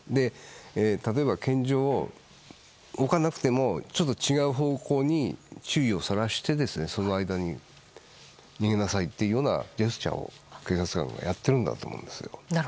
例えば拳銃を置かなくても違う方向に注意をそらしてその間に逃げなさいというようなジェスチャーを警察がやっているんだと思いますよ。